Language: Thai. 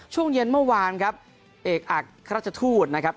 ช่วงเย็นเมื่อวานครับเอกอักราชทูตนะครับ